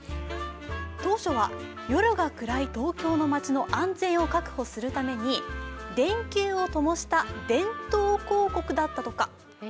当初は夜が暗い東京の街を安全を確保するために電球をともした電灯広告だったとか。